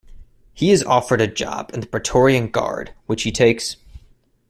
He is offered a job in the Praetorian Guard, which he takes.